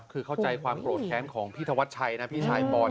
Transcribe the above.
คือเข้าใจความโกรธแค้นของพี่ธวัดชัยนะพี่ชายปอย